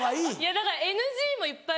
だからＮＧもいっぱい。